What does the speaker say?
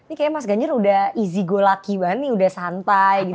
ini kayaknya mas ganjar udah easy gue lucky banget nih udah santai gitu